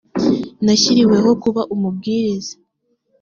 nashyiriweho kuba umubwiriza